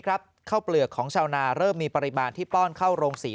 ข้าวเปลือกของชาวนาเริ่มมีปริมาณที่ป้อนเข้าโรงสี